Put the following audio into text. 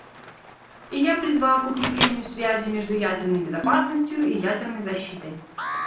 И я призвал к укреплению связи между ядерной безопасностью и ядерной защитой.